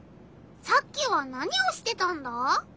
さっきは何をしてたんだ？